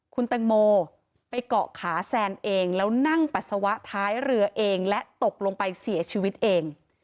คุณแตงโมไปเกาะขาแซนเองแล้วนั่งปัสสาวะท้ายเรือเองและตกลงไปเสียชีวิตเอง